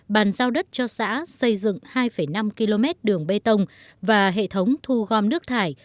bàn giao đất cho xã xây dựng hai năm km đường bê tông và hệ thống thu gom nước thải